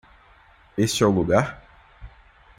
Este é o lugar?